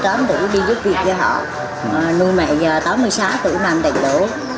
sáu mươi tám tuổi đi giúp việc cho họ nuôi mẹ giờ tám mươi sáu tuổi nằm tại chỗ